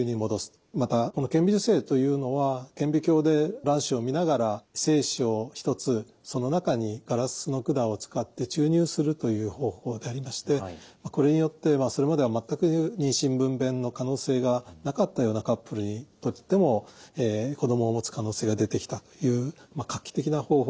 またこの顕微授精というのは顕微鏡で卵子を見ながら精子を１つその中にガラスの管を使って注入するという方法でありましてこれによってそれまでは全く妊娠分娩の可能性がなかったようなカップルにとっても子どもをもつ可能性が出てきたという画期的な方法であったわけです。